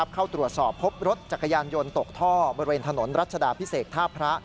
เข้าตรวจสอบพบรถจักรยานยนต์ตกท่อบริเวณถนนรัชดาพิเศษท่าพระ